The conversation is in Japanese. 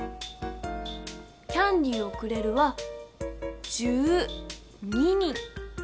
「キャンディーをくれる」は１２人。